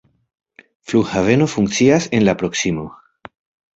Flughaveno funkcias en la proksimo.